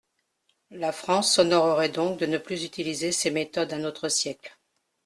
La France s’honorerait donc de ne plus utiliser ces méthodes d’un autre siècle.